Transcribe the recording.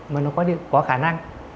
mà nó có khả năng